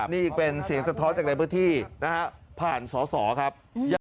นี่เป็นเสียงสะท้อนจากในพื้นที่นะฮะผ่านสอสอครับ